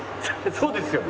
そうですよね。